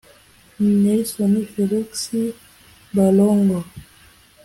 Nelson Felix Balongo